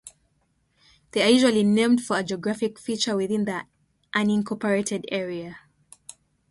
They are usually named for a geographic feature within the unincorporated area.